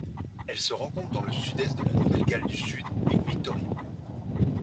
Elle se rencontre dans le Sud-Est de la Nouvelle-Galles du Sud et au Victoria.